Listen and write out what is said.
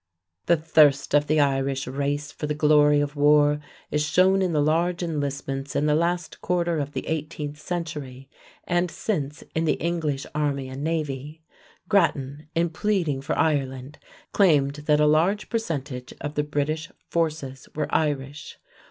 The thirst of the Irish race for the glory of war is shown in the large enlistments in the last quarter of the eighteenth century, and since, in the English army and navy. Grattan, in pleading for Ireland, claimed that a large percentage of the British forces were Irish.